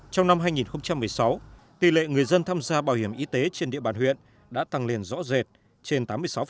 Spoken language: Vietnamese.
trong năm hai nghìn một mươi sáu tỷ lệ người dân tham gia bảo hiểm y tế trên địa bàn huyện đã tăng liền rõ rệt trên tám mươi sáu